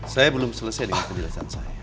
saya belum selesai dengan kejelasan saya